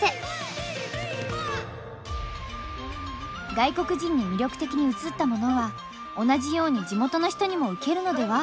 外国人に魅力的に映ったものは同じように地元の人にもウケるのでは？